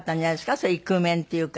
そういうイクメンっていうか。